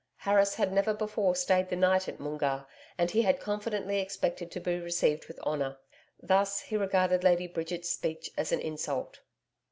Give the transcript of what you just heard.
Harris had never before stayed the night at Moongarr, and he had confidently expected to be received with honour. Thus he regarded Lady Bridget's speech as an insult.